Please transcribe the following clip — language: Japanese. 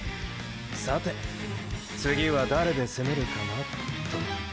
さて次は誰で攻めるかなと！！